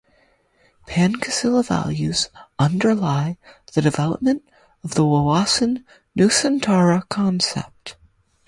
Pancasila values underlie the development of the wawasan nusantara concept.